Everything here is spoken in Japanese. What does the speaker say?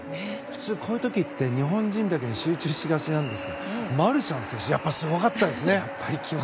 普通、こういう時って日本人だけに注目しがちですがマルシャン選手やっぱりすごかったですね。